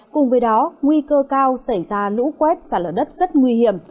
cùng với đó nguy cơ cao xảy ra lũ quét xả lở đất rất nguy hiểm